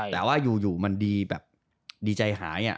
แต่ว่าอยู่มันดีแบบดีใจหาย